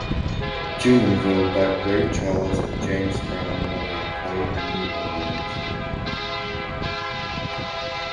Jumonville backed Ray Charles and James Brown while they played in New Orleans.